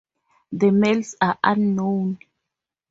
The males are unknown.